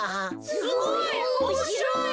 すごいおもしろい。